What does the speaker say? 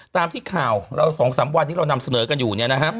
ตามที่ข่าว๒๓วันที่เรานำเสนอกันอยู่